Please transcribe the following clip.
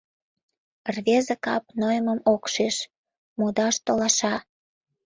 Рвезе кап нойымым ок шиж, модаш толаша.